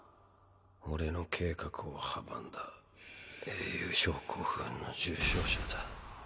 俺の計画を阻んだ英雄症候群の重症者だ。